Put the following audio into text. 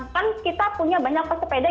kan kita punya banyak pesepeda